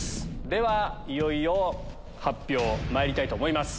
ではいよいよ発表まいりたいと思います。